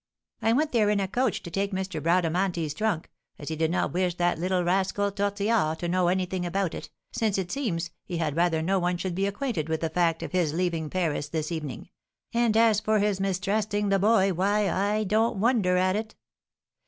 I went there in a coach to take M. Bradamanti's trunk, as he did not wish that little rascal, Tortillard, to know anything about it, since, it seems, he had rather no one should be acquainted with the fact of his leaving Paris this evening; and, as for his mistrusting the boy, why, I don't wonder at it."